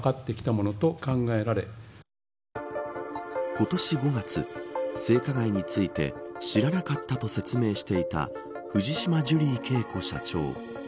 今年５月、性加害について知らなかったと説明していた藤島ジュリー景子社長。